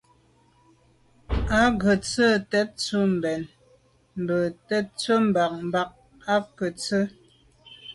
Û gə̄ sə̂' tə̀tswə́' mbɛ̂n bə̂ tə̀tswə́' mbə̄ bə̀k à' cúptə́ â sə́.